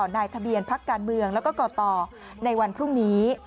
นายทะเบียนพักการเมืองแล้วก็ก่อต่อในวันพรุ่งนี้